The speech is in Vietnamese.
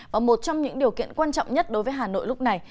và một trong những điều kiện quan trọng nhất đối với hà nội lúc này